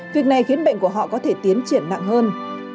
việc này khiến bệnh của họ có thể tiến triển nặng hơn